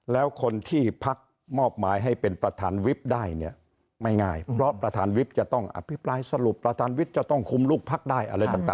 แล้วคนที่พักมอบหมายให้เป็นประธานวิทย์ได้